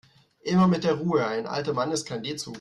Immer mit der Ruhe, ein alter Mann ist kein D-Zug.